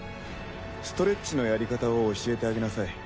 ストレッチのやり方を教えてあげなさい。